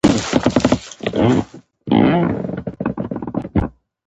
د يوه امکان پای د بل ستر امکان پيل ګرځي.